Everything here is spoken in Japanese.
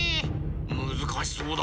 むずかしそうだ。